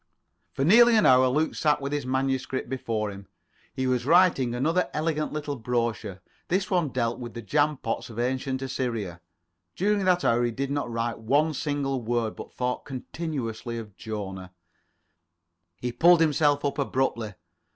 For nearly an hour Luke sat with his manuscript before him. He was writing another elegant little brochure. This one dealt with the jam pots of Ancient Assyria. During that hour he did not write one single word, but thought continuously of Jona. He pulled himself up abruptly.